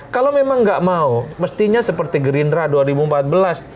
kalau memang nggak mau mestinya seperti gerindra dua ribu empat belas